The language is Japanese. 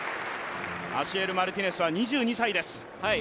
アシエル・マルティネスは２２歳です。